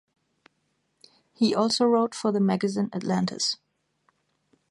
He also wrote for the magazine Atlantis.